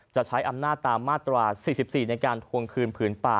จะใช้อำนาจตามมาตรา๔๔ในการทวงคืนผืนป่า